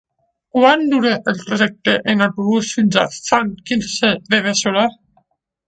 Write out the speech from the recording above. Quant dura el trajecte en autobús fins a Sant Quirze de Besora?